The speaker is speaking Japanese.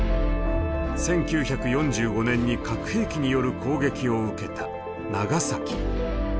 １９４５年に核兵器による攻撃を受けた長崎。